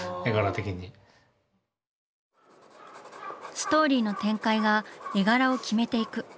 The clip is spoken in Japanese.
ストーリーの展開が絵柄を決めていく。